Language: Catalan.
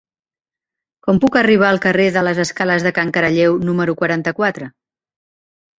Com puc arribar al carrer de les Escales de Can Caralleu número quaranta-quatre?